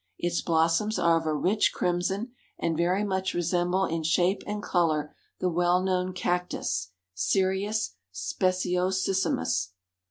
Its blossoms are of a rich crimson, and very much resemble in shape and color the well known Cactus, Cereus speciosissimus.